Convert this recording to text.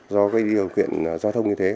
do điều kiện giao thông như thế